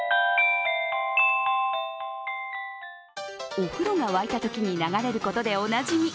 お風呂が沸いたときに流れることでおなじみ